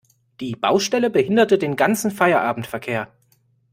Die Baustelle behinderte den ganzen Feierabendverkehr.